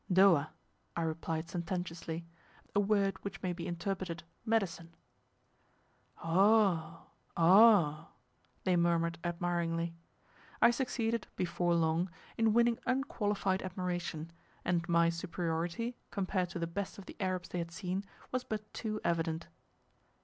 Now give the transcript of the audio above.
"Dowa," I replied sententiously, a word which may be interpreted medicine. "Oh h, oh h," they murmured admiringly. I succeeded, before long, in winning unqualified admiration, and my superiority, compared to the best of the Arabs they had seen, was but too evident.